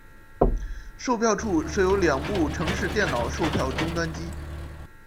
售票处设有两部城市电脑售票终端机。